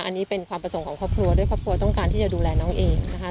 อันนี้เป็นความประสงค์ของครอบครัวด้วยครอบครัวต้องการที่จะดูแลน้องเองนะคะ